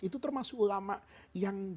itu termasuk ulama yang